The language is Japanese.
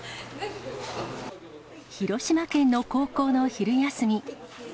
広島県の高校の昼休み。